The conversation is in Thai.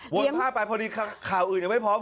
วนผ้าไปเพราะดิขาอื่นยังไม่พอ